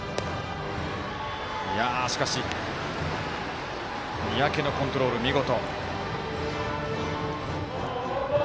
しかし、三宅のコントロール見事。